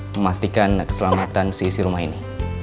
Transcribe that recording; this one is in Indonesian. memastikan keselamatan sisi rumah ini